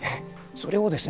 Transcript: それをですね